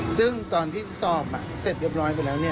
ซึ่งตอนที่สอบเสร็จเรียบร้อยไปแล้ว